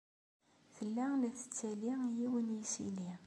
Tella la tettali yiwen n yisili.